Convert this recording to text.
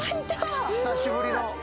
久しぶりの。